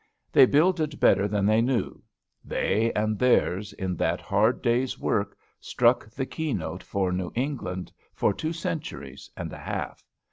They builded better than they knew. They and theirs, in that hard day's work, struck the key note for New England for two centuries and a half.